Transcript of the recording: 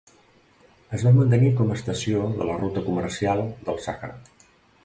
Es va mantenir com a estació de la ruta comercial del Sàhara.